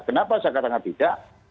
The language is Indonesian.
kenapa saya katakan tidak